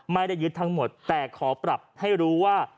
ไม่ได้ยึดทั้งหมดแต่ขอปรับให้รู้ว่า